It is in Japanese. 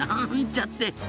なんちゃって。